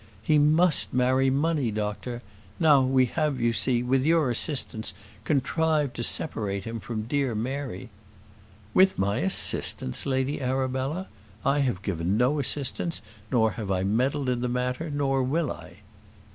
"He must marry money, doctor. Now we have, you see, with your assistance, contrived to separate him from dear Mary " "With my assistance, Lady Arabella! I have given no assistance, nor have I meddled in the matter; nor will I."